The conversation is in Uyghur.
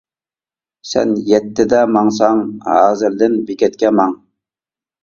سەن يەتتىدە ماڭساڭ ھازىردىن بېكەتكە ماڭ.